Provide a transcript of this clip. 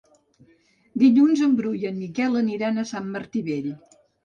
Dilluns en Bru i en Miquel aniran a Sant Martí Vell.